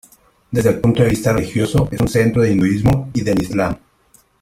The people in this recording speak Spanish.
Desde el punto de vista religioso, es un centro de hinduismo y del islam.